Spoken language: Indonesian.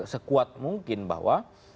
sekuat mungkin bahwa